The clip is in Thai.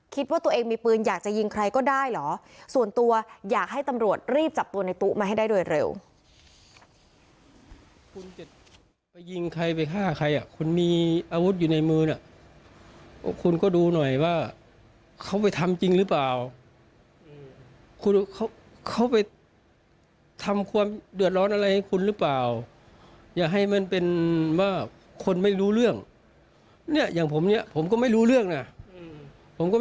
คิดว่าตัวเองมีปืนอยากจะยิงใครก็ได้เหรอส่วนตัวอยากให้ตำรวจรีบจับตัวในตู้มาให้ได้โดยเร็ว